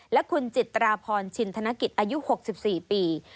และคุณจิตราพรชินธนกิจอายุ๖๔ปี